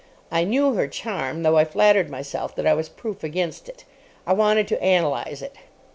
I knew her charm, though I flattered myself that I was proof against it. I wanted to analyse it.